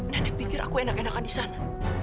nenek pikir aku enak enakan di sana